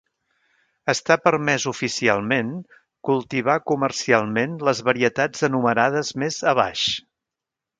Està permès oficialment cultivar comercialment les varietats enumerades més abaix.